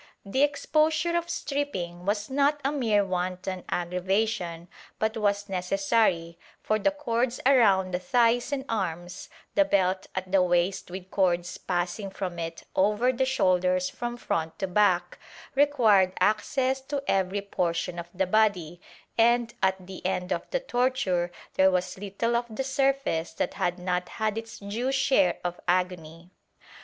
^ The exposure of stripping was not a mere wanton aggravation but was necessary, for the cords around the thighs and arms, the belt at the waist with cords passing from it over the shoulders from front to back, required access to every por tion of the body and, at the end of the torture, there was little of the surface that had not had its due share of agony.